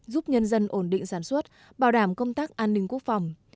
giúp nhân dân ổn định sản xuất bảo đảm công tác an ninh quốc phòng